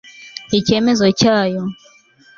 icyemezo cyayo